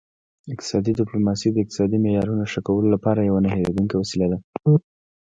اقتصادي ډیپلوماسي د اقتصادي معیارونو ښه کولو لپاره یوه نه هیریدونکې وسیله ده